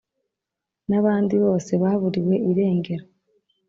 N’abandi bose baburiwe irengero,